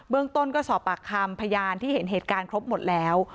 เรื่องต้นก็สอบปากคำพยานที่เห็นเหตุการณ์ครบหมดแล้ว